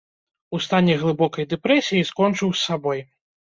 У стане глыбокай дэпрэсіі скончыў з сабой.